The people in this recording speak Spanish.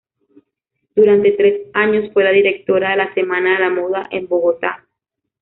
Durante tres años fue la directora de la Semana de la Moda en Bogotá.